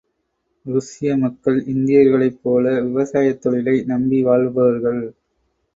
ருஷ்ய மக்கள் இந்தியர்களைப் போல விவசாயத் தொழிலை நம்பி வாழ்பவர்கள்.